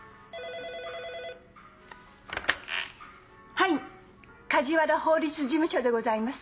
はい梶原法律事務所でございます。